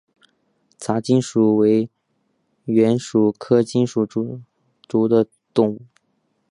杂金蛛为园蛛科金蛛属的动物。